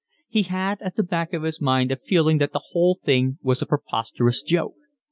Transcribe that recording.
He had at the back of his mind a feeling that the whole thing was a preposterous joke.